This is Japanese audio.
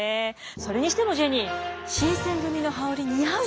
それにしてもジェニー新選組の羽織似合うじゃない。